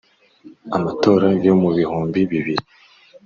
amatora yo mu bihumbi biriri